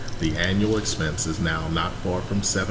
The annual expense is now not far from $75,000.